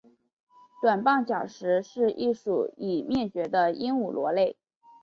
短棒角石是一属已灭绝的鹦鹉螺类。